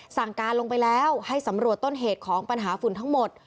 สั่งการลงไปแล้วให้สำรวจต้นเหตุของปัญหาฝุ่นทั้งหมด